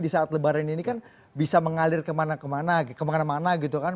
di saat lebaran ini kan bisa mengalir kemana mana kemana mana gitu kan